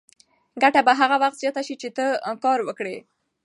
ګټه به هغه وخت زیاته شي چې ته کار وکړې.